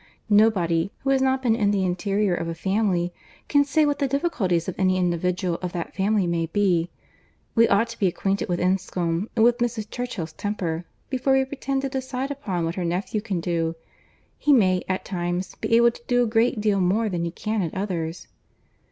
Nobody, who has not been in the interior of a family, can say what the difficulties of any individual of that family may be. We ought to be acquainted with Enscombe, and with Mrs. Churchill's temper, before we pretend to decide upon what her nephew can do. He may, at times, be able to do a great deal more than he can at others."